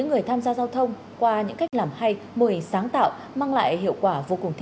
gồm có bốn nhóm chất